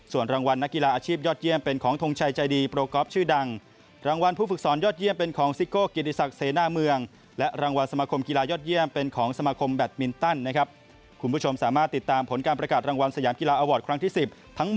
ส่วนรางวัลนักกีฬาอาชีพยอดเยี่ยมเป็นของทงชัยใจดีโปรแกล็อลบ